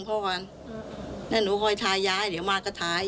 ก่อนหนู่คอยทายยาให้ีดีกว่ามากก็ทาย